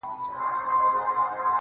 د مخ پر لمر باندي رومال د زلفو مه راوله.